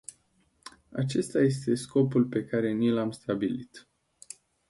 Acesta este scopul pe care ni l-am stabilit.